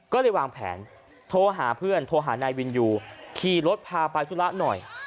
ก็เลยวางแผนโทรหาเพื่อนโทรหานายวินยูขี่รถพาไปธุระหน่อย